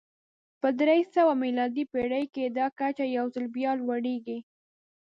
په درې سوه میلادي پېړۍ کې دا کچه یو ځل بیا لوړېږي